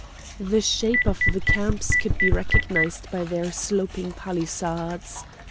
The shape of the camps could be recognised by their sloping palisades.